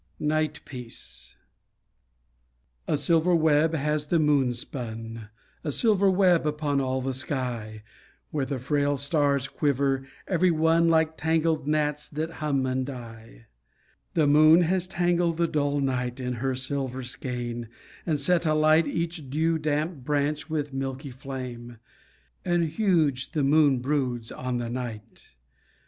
NIGHT PIECE A silver web has the moon spun, A silver web upon all the sky, Where the frail stars quiver, every one Like tangled gnats that hum and die. The moon has tangled the dull night In her silver skein and set alight Each dew damp branch with milky flame. And huge the moon broods on the night.